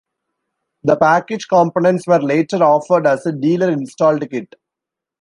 The package components were later offered as a dealer installed kit.